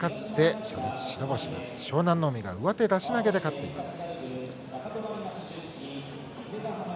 海、上手出し投げで勝っています。